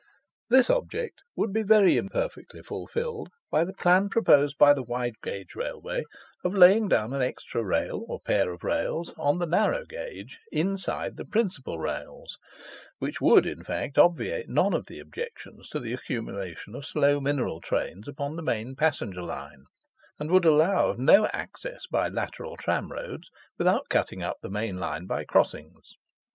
This object would be very imperfectly fulfilled by the plan proposed by the wide gauge Railway, of laying down an extra rail, or pair of rails, on the narrow gauge, inside the principal rails, which would, in fact, obviate none of the objections to the accumulation of slow mineral trains upon the main passenger line, and would allow of no access by lateral tramroads, without cutting up the main line by crossings.